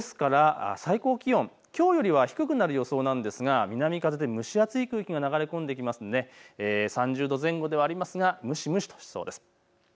ですから最高気温、きょうよりは低くなる予想なんですが南風で蒸し暑い空気が流れ込んでくるので３０度前後ではありますが、蒸し蒸しとしそうです。